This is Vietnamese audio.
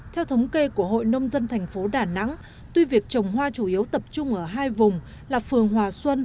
theo thống kê của hội nông dân thành phố đà nẵng tuy việc trồng hoa chủ yếu tập trung ở hai vùng là phường hòa xuân